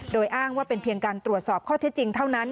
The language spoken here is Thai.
โดยอ้างว่าเป็นเพียงการตรวจสอบข้อเท็จจริงเท่านั้น